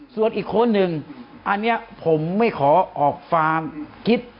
ส่วนอีกคนหนึ่งอันนี้ผมไม่ขอออกความคิด